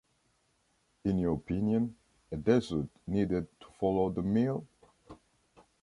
In your opinion, a dessert needed to follow the meal?